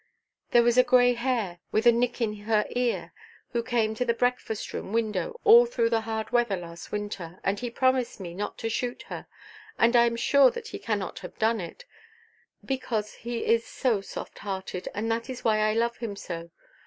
There was a grey hare, with a nick in her ear, who came to the breakfast–room window all through the hard weather last winter, and he promised me not to shoot her; and I am sure that he cannot have done it, because he is so soft–hearted, and that is why I love him so.